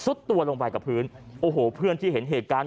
ตัวลงไปกับพื้นโอ้โหเพื่อนที่เห็นเหตุการณ์